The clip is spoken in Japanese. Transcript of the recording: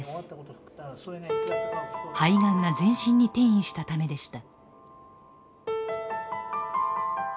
肺がんが全身に転移したためでした。